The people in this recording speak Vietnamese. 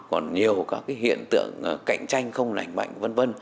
còn nhiều các hiện tượng cạnh tranh không lành mạnh